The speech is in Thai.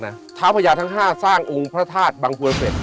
ชาวพระยาทั้ง๕สร้างองค์พระทาสบางปวดเต็ด